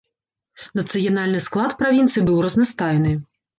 Нацыянальны склад правінцыі быў разнастайны.